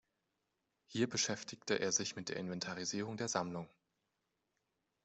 Hier beschäftigte er sich mit der Inventarisierung der Sammlung.